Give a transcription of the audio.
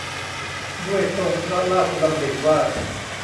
ด้วยทรงพระราชดำริว่า